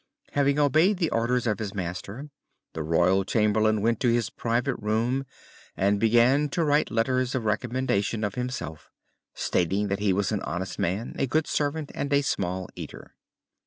Having obeyed the orders of his master, the Royal Chamberlain went to his private room and began to write letters of recommendation of himself, stating that he was an honest man, a good servant and a small eater.